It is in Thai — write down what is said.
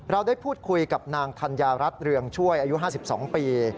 เราได้พูดคุยกับนางธัญญารัฐเรืองช่วยอายุ๕๒ปี